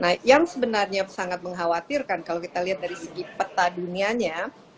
nah yang sebenarnya sangat mengkhawatirkan kalau kita lihat dari segi peta dunianya